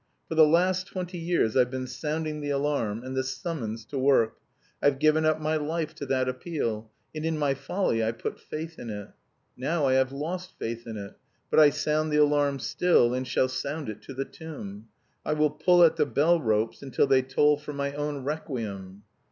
For the last twenty years I've been sounding the alarm, and the summons to work. I've given up my life to that appeal, and, in my folly I put faith in it. Now I have lost faith in it, but I sound the alarm still, and shall sound it to the tomb. I will pull at the bell ropes until they toll for my own requiem!"